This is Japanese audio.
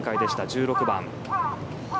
１６番。